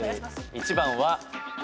１番は。